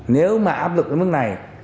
nếu mà áp dụng cái vấn này